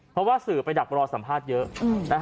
เพราะว่าสื่อไปดักรอสัมภาษณ์เยอะ